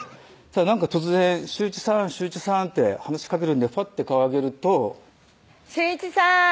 突然「衆一さん衆一さん」って話しかけるんでぱって顔上げると「衆一さん」